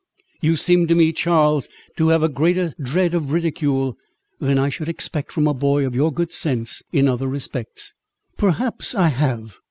"You seem to me, Charles, to have a greater dread of ridicule, than I should expect from a boy of your good sense in other respects." "Perhaps I have.